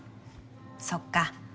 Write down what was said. そっか。